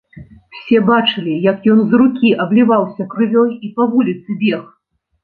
Усе бачылі, як ён з рукі абліваўся крывёй і па вуліцы бег.